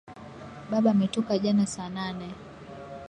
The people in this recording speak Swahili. Baba ametoka jana saa nane.